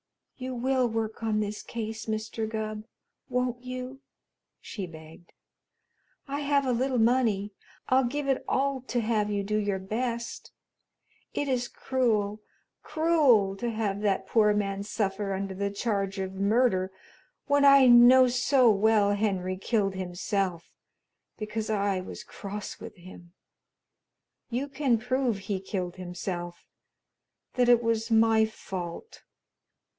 "You will work on this case, Mr. Gubb, won't you?" she begged. "I have a little money I'll give it all to have you do your best. It is cruel cruel to have that poor man suffer under the charge of murder when I know so well Henry killed himself because I was cross with him. You can prove he killed himself that it was my fault.